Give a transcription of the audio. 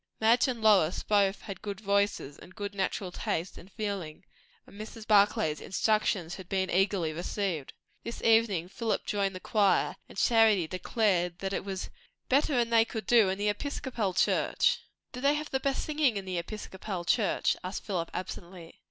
Madge and Lois both had good voices and good natural taste and feeling; and Mrs. Barclay's instructions had been eagerly received. This evening Philip joined the choir; and Charity declared it was "better'n they could do in the Episcopal church." "Do they have the best singing in the Episcopal church?" asked Philip absently.